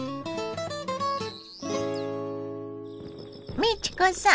美智子さん